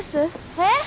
えっ？